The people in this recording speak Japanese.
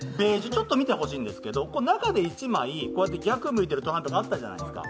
ちょっと見てほしいんですけど、中に１枚、逆向いてるトランプあったじゃないですか。